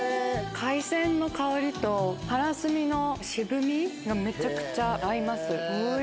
海鮮の香りと、唐墨の渋みがめちゃくちゃ合います。